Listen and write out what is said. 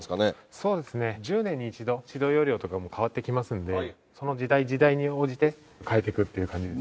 そうですね１０年に１度指導要領とかも変わっていきますんでその時代時代に応じて変えていくっていう感じですね。